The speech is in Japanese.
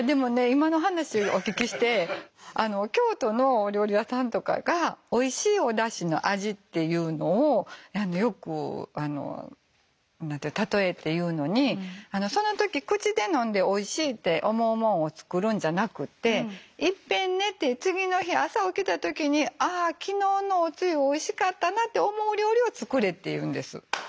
今の話お聞きして京都のお料理屋さんとかがおいしいおだしの味っていうのをよく例えて言うのにその時口で飲んでおいしいって思うもんを作るんじゃなくていっぺん寝て次の日朝起きた時に「ああ昨日のおつゆおいしかったな」って思う料理を作れっていうんです。